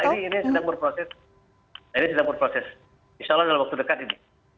dalam waktu dekat pak ini sedang berproses ini sedang berproses insya allah dalam waktu dekat ini